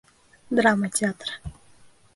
Драма театры